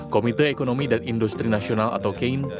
komite ekonomi dan industri nasional atau kein